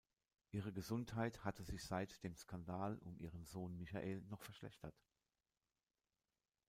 Ihre Gesundheit hatte sich seit dem Skandal um ihren Sohn Michael noch verschlechtert.